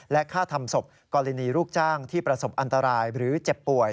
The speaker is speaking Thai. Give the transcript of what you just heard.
และฆ่าทำศพกรณีลูกจ้างที่ประสบอันตรายหรือเจ็บป่วย